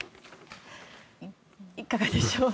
いかがでしょう？